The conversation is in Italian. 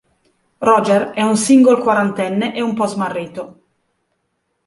Roger è un single quarantenne e un po' smarrito.